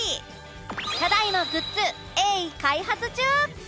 ただいまグッズ鋭意開発中！